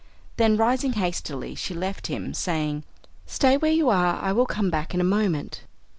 Then rising hastily she left him, saying, "Stay where you are, I will come back in a moment."